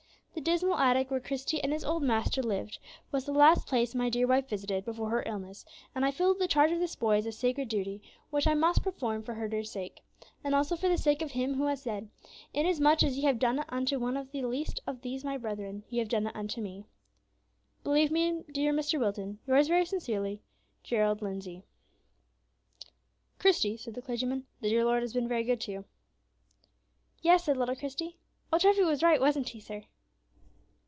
The dismal attic where Christie and his old master lived was the last place my dear wife visited before her illness; and I feel that the charge of this boy is a sacred duty which I must perform for her dear sake, and also for the sake of Him who has said, 'Inasmuch as ye have done it unto one of the least of these my brethren, ye have done it unto me.' "Believe me, dear Mr. Wilton, "Yours very sincerely, "GERALD LINDESAY." "Christie," said the clergyman, "the dear Lord has been very good to you." "Yes," said little Christie, "old Treffy was right; wasn't he, sir?"